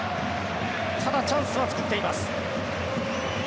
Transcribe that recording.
ただ、チャンスは作っています。